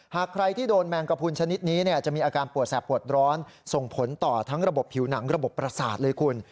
หากใครที่โดนแมงกระพุนชนิดนี้จะมีอาการปวดแสบปวดร้อนส่งผลต่อทั้งระบบผิวหนังระบบประสาทเลยคุณ